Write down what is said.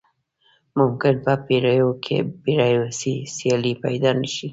ممکن په پیړیو پیړیو یې سیال پيدا نه شي.